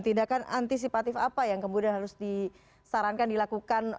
tindakan antisipatif apa yang kemudian harus disarankan dilakukan